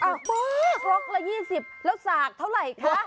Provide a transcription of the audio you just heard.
อ้าวคลกละ๒๐แล้วสากเท่าไรคะ